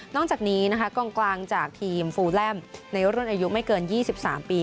นอกจากนี้กลางจากทีมฟูแลมในรุ่นอายุไม่เกิน๒๓ปี